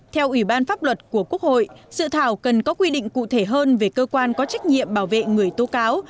theo ủy ban pháp luật của quốc hội dự thảo cần có quy định cụ thể hơn về cơ quan có trách nhiệm bảo vệ người tố cáo